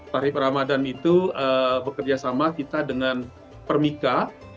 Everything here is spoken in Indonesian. tarik ramadan itu bekerja sama kita dengan permika